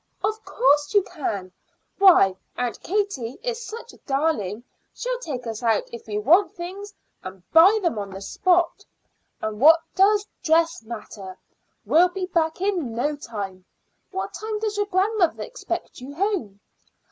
"Of course you can. Why, Aunt Katie is such a darling she'll take us out if we want things and buy them on the spot. And what does dress matter? We'll be back in no time. What time does your grandmother expect you home?"